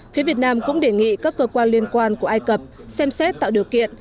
phía việt nam cũng đề nghị các cơ quan liên quan của ai cập xem xét tạo điều kiện